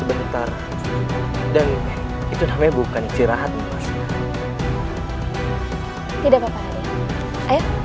lebih baik kau beristirahat saja dulu